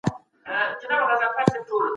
ده ادبي علوم زده کړي وو